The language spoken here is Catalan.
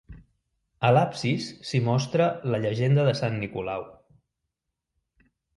A l'absis s'hi mostra la llegenda de sant Nicolau.